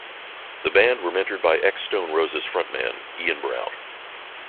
The band were mentored by ex-Stone Roses frontman Ian Brown.